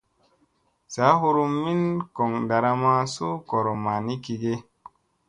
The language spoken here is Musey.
Saa hurum min goŋ ɗaramma su gooryomma ni gige ?